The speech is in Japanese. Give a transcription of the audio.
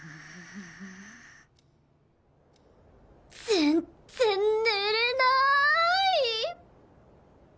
全然寝れない！